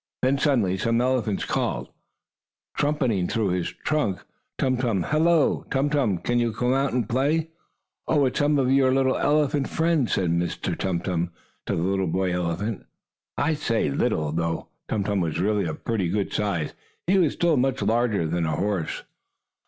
Then, suddenly, some elephant called, trumpeting through his trunk: "Tum Tum! Hello, Tum Tum! Can't you come out and play?" "Oh, it's some of your little elephant friends," said Mr. Tum Tum, to the little boy elephant. I say "little," though Tum Tum was really a pretty good size. He was much larger than a horse.